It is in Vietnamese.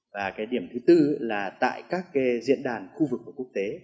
và cái điểm thứ tư là tại các diện đàn khu vực của quốc tế